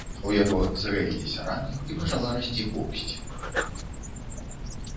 У яго загаіліся раны і пачала расці поўсць.